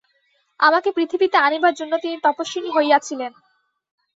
আমাকে পৃথিবীতে আনিবার জন্য তিনি তপস্বিনী হইয়াছিলেন।